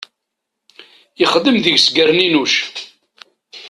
Ixdem deg-s gerninuc.